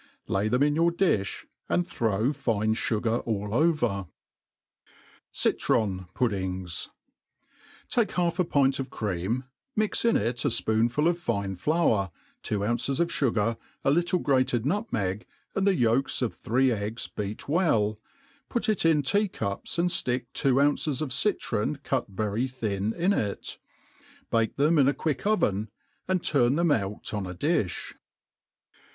Lay them in your difh, and throw fine fugar all over. . Citron Puddings. TAKE half a pint of crearp, ^rni^t in it; a fpoonful of fine flour, two ounces of fugar, a little grated nutmeg, ^nd the yolks of three eggs beat well, put it in tea cups, and ftick two ounces of citron cut very thin in it ; bake them in a quick oven, and turn diem out on a di(h.